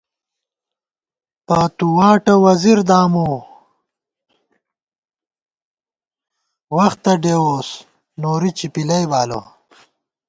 پاتُواٹہ وَزِر دامُوؤ ، وختہ ڈېووس ، نورِی چِپِلَئ بالہ